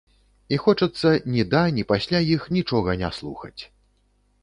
І хочацца ні да, ні пасля іх нічога не слухаць.